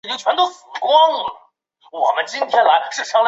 转向架并安装有轮缘润滑装置和踏面清扫装置。